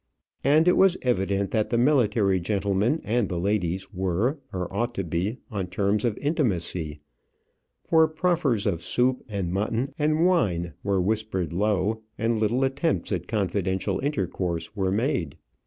And it was evident that the military gentlemen and the ladies were, or ought to be, on terms of intimacy; for proffers of soup, and mutton, and wine were whispered low, and little attempts at confidential intercourse were made.